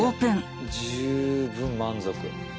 十分満足。